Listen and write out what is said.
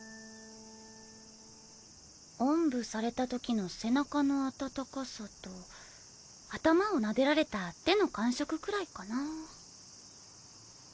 おんぶされた時の背中の温かさと頭をなでられた手の感触くらいかなァ。